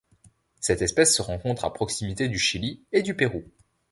Cette espèce se rencontre à proximité du Chili et du Pérou.